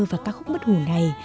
và các khúc bất hủ này